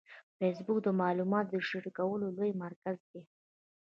فېسبوک د معلوماتو د شریکولو لوی مرکز دی